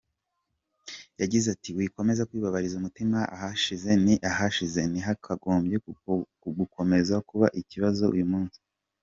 Yagize ati “Wikomeza kwibabariza umutima, ahashize ni ahashije ntihakagombye gukomeza kuba ikibazo uyu munsi.